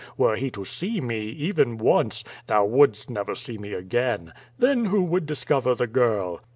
Were he to see me, even once, thou wouldst never see me again. Then who would discover the girl?'